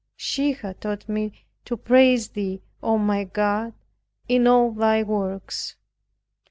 She had taught me to praise Thee, O my God, in all Thy works.